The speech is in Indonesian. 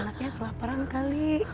anaknya kelaparan kali